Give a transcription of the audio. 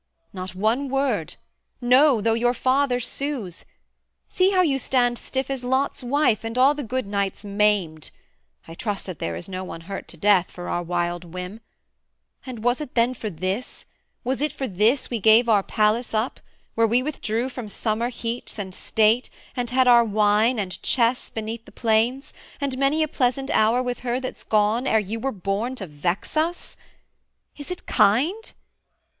Not one word; No! though your father sues: see how you stand Stiff as Lot's wife, and all the good knights maimed, I trust that there is no one hurt to death, For our wild whim: and was it then for this, Was it for this we gave our palace up, Where we withdrew from summer heats and state, And had our wine and chess beneath the planes, And many a pleasant hour with her that's gone, Ere you were born to vex us? Is it kind?